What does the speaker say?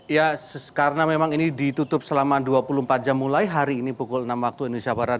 ya karena memang ini ditutup selama dua puluh empat jam mulai hari ini pukul enam waktu indonesia barat